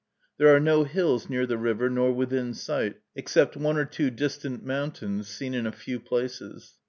There are no hills near the river nor within sight, except one or two distant mountains seen in a few places.